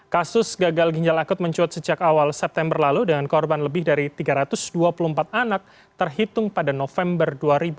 kasus gagal ginjal akut mencuat sejak awal september lalu dengan korban lebih dari tiga ratus dua puluh empat anak terhitung pada november dua ribu dua puluh